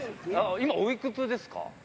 今、おいくつですか？